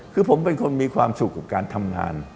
คือผมเป็นคนมีความสุขกับการทำงาน